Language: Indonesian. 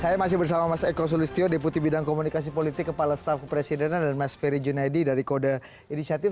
saya masih bersama mas eko sulistyo deputi bidang komunikasi politik kepala staf kepresidenan dan mas ferry junaidi dari kode inisiatif